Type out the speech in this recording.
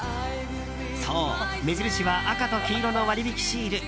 そう、目印は赤と黄色の割引シール。